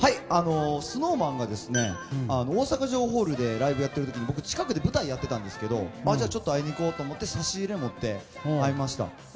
ＳｎｏｗＭａｎが大阪城ホールでライブやっている時に僕近くで舞台やっていたんですけどちょっと会いに行こうと思って差し入れを持って会いました。